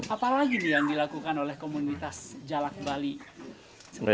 apalagi nih yang dilakukan oleh komunitas jalak bali